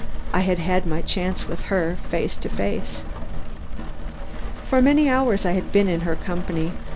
I had had my chance with her, face to face. For hours I had been in her company.